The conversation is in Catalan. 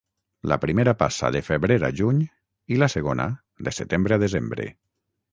La primera passa de febrer a juny i la segona de setembre a desembre.